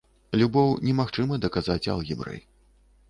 Любоў немагчыма даказаць алгебрай.